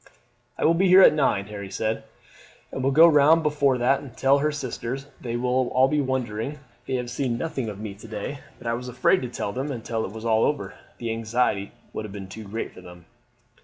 "I will be here at nine," Harry said, "and will go round before that and tell her sisters. They will be wondering they have seen nothing of me to day, but I was afraid to tell them until it was all over. The anxiety would have been too great for them."